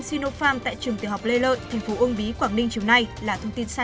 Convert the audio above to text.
sinopharm tại trường tiểu học lê lợi tp uông bí quảng ninh chiều nay là thông tin sai sự thật